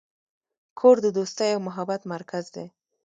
کور د دوستۍ او محبت مرکز دی.